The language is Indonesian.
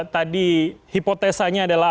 tadi hipotesanya adalah